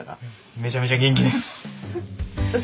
めちゃめちゃ元気です。